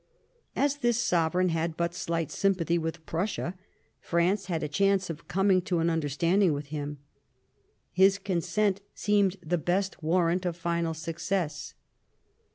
As this Sovereign had but slight sympathy with Prussia, France had a chance of coming to an under standing with him ; his consent seemed the best warrant of final success.